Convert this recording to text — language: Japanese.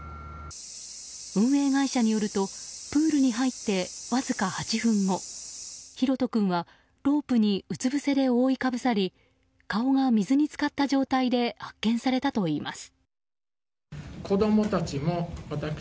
運営会社によるとプールに入ってわずか８分後大翔君はロープにうつぶせで覆いかぶさり顔が水に浸かった状態で発見されたといいます。